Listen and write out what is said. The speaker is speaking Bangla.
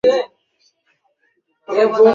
সুর ভারী করিয়া সে বলিল, তোর ব্যাপারটা কী বল তো কুমুদ?